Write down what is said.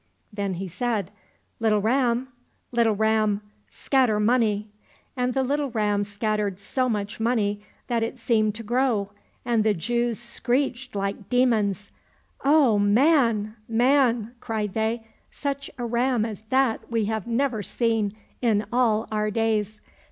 — Then he said, " Little ram, little ram, scatter money !" and the little ram scattered so much money that it seemed to grow, and the Jews screeched like demons. —" O man, man !" cried they, " such a ram as that we have never seen in all our days.